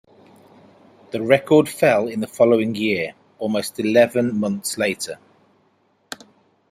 The record fell in the following year, almost eleven months later.